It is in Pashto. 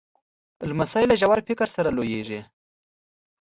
لمسی له ژور فکر سره لویېږي.